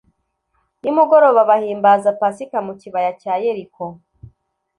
nimugoroba, bahimbaza pasika mu kibaya cya yeriko